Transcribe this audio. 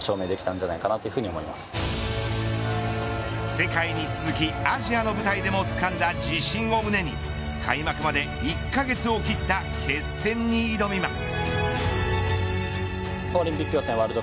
世界に続き、アジアの舞台でもつかんだ自信を胸に開幕まで１カ月を切った決戦に挑みます。